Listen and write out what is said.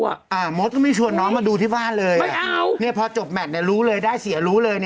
อ่ามดก็ไม่ชวนน้องมาดูที่บ้านเลยไม่เอานี่พอจบแมทรู้เลยได้เสียรู้เลย